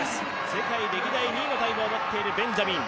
世界歴代２位のタイムを持っているライ・ベンジャミン。